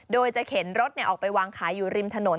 โดยจะเข็นรถออกไปวางขายอยู่ริมถนน